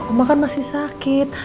oma kan masih sakit